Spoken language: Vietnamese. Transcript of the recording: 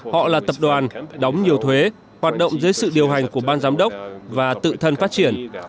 họ là tập đoàn đóng nhiều thuế hoạt động dưới sự điều hành của ban giám đốc và tự thân phát triển